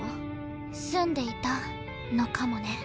住んでいたのかもね。